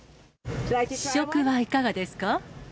試食はいかがですか。